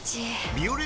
「ビオレ」